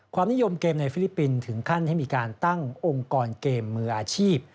ความนิยมเกมในฟิลิปปินส์ถึงขั้นให้มีการตั้งองค์กรเกมมืออาชีพ